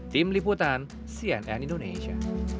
tim liputan cnn indonesia